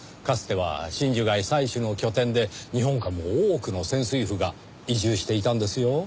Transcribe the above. かつては真珠貝採取の拠点で日本からも多くの潜水夫が移住していたんですよ。